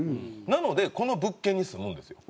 なのでこの物件に住むんですよ。